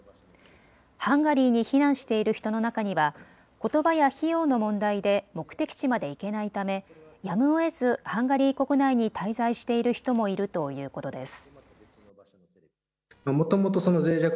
ハンガリーに避難している人の中には、ことばや費用の問題で目的地まで行けないためやむをえずハンガリー国内に滞在している人もいるということです。